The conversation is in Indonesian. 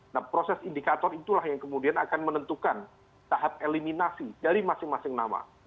nah proses indikator itulah yang kemudian akan menentukan tahap eliminasi dari masing masing nama